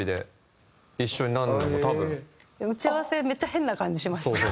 打ち合わせめっちゃ変な感じしました。